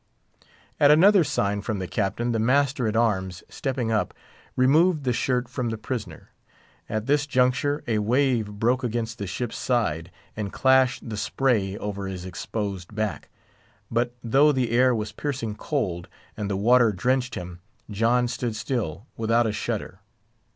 At another sign from the Captain, the master at arms, stepping up, removed the shirt from the prisoner. At this juncture a wave broke against the ship's side, and clashed the spray over his exposed back. But though the air was piercing cold, and the water drenched him, John stood still, without a shudder.